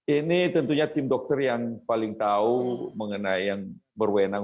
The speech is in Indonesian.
ini tentunya tim dokter yang paling tahu mengenai yang berwenang